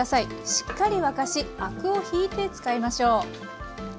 しっかり沸かしアクをひいて使いましょう。